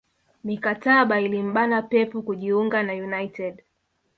Mikataba ilimbana Pep kujiunga na united